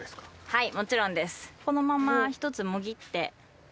はい。